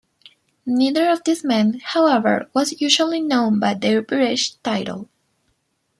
Neither of these men, however, was usually known by their peerage title.